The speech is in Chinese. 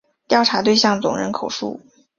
调查对象总人口数